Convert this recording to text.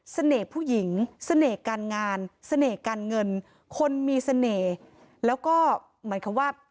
ผู้หญิงเสน่ห์การงานเสน่ห์การเงินคนมีเสน่ห์แล้วก็เหมือนกับว่า